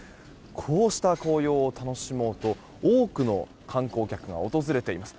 こうした紅葉を楽しもうと多くの観光客が訪れています。